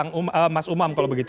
nah saya kan ke mas umam kalau begitu